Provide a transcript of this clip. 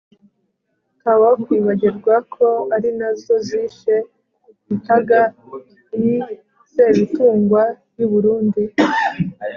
tawakwibagirwa ko ari na zo zishe mutaga iii sebitungwa w'i burundi